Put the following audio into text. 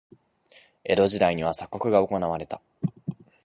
江戸時代には鎖国が行われた。